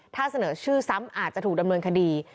ถ้าเสนอชื่อซ้ำอาจจะถูกดำเนินคดี